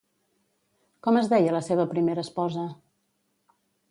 Com es deia la seva primera esposa?